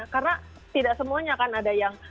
karena tidak semuanya kan ada yang